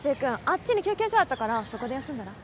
あっちに休憩所あったからそこで休んだら？